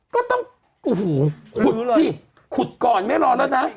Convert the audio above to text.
ก็ต้องโอ้โหขุดสิขุดก่อนไม่รอแล้วนะ